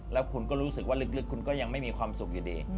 แล้วคุณก็รู้สึกว่าลึกคุณก็ยังไม่มีความสุขอยู่ดี